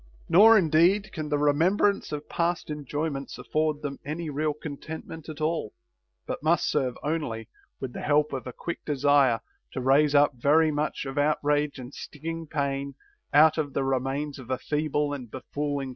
Nor indeed can the remembrance of past enjoyments afford them any real con tentment at all, but must serve only, with the help of a quick desire, to raise up very much of outrage and stinging pain out of the remains of a feeble and befooling pleasure.